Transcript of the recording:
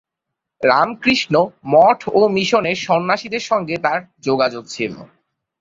রামকৃষ্ণ মঠ ও মিশনের সন্ন্যাসীদের সঙ্গে তার যোগাযোগ ছিল।